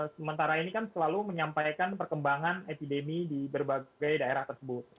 sementara ini kan selalu menyampaikan perkembangan epidemi di berbagai daerah tersebut